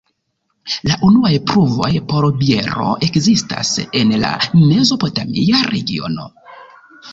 La unuaj pruvoj por biero ekzistas en la mezopotamia regiono.